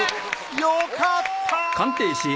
よかった！